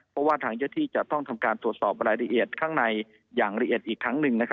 เพราะว่าทางเจ้าที่จะต้องทำการตรวจสอบรายละเอียดข้างในอย่างละเอียดอีกครั้งหนึ่ง